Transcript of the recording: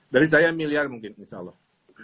dari saya miliar mungkin insya allah